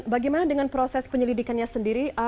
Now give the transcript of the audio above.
dan bagaimana dengan proses penyelidikannya sendiri